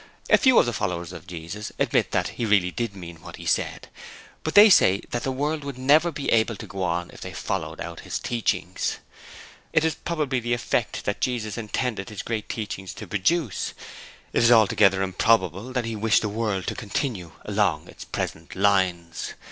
A few of the followers of Jesus admit that He really did mean just what He said, but they say that the world would never be able to go on if they followed out His teachings! That is true. It is probably the effect that Jesus intended His teachings to produce. It is altogether improbable that He wished the world to continue along its present lines.